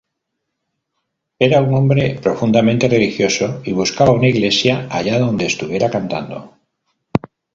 Era un hombre profundamente religioso y buscaba una iglesia allá donde estuviera cantando.